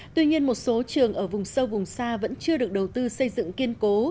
tuy nhiên một số trường ở vùng sâu vùng xa vẫn chưa được đầu tư xây dựng kiên cố